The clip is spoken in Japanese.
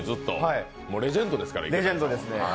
レジェンドですね。